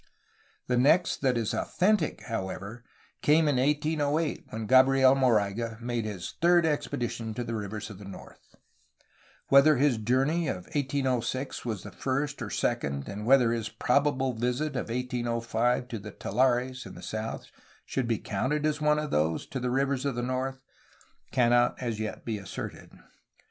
The next that is authentic, however, came in 1808, when Gabriel Moraga made his ''third expedition to the rivers of the north/' Whether his journey of 1806 was the first or second and whether his probable visit of 1805 to the tulares (in the south) should be counted as one of those ''to the rivers of the north'' cannot as yet be asserted.